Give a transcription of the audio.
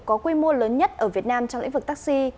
có quy mô lớn nhất ở việt nam trong lĩnh vực taxi